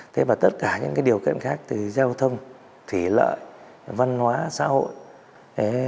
thế và tất cả những điều kiện khác từ giao thông thủy lợi văn hóa xã hội